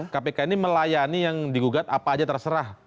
kpk ini melayani yang digugat apa aja terserah